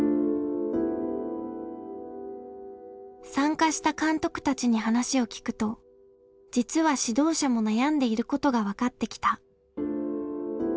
参加した監督たちに話を聞くと実は指導者も悩んでいることが分かってきた。